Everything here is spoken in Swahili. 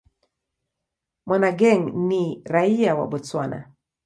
Monageng ni raia wa Botswana.